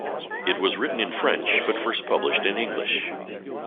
It was written in French, but first published in English.